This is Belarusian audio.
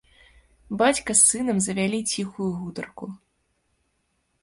Бацька з сынам завялі ціхую гутарку.